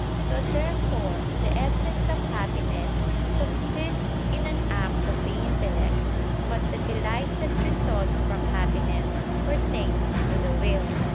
So, therefore, the essence of happiness consists in an act of the intellect: but the delight that results from happiness pertains to the will.